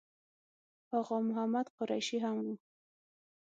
آغا محمد قریشي هم و.